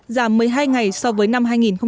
giảm một mươi hai ngày so với năm hai nghìn một mươi bảy